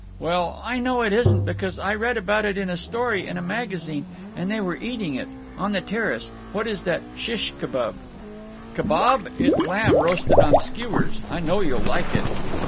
"Well, I know it isn't, because I read about it in a story in a magazine. And they were eating it. On the terrace…. What is that shish kibub?" "Kebab…. It's lamb roasted on skewers. I know you'll like it."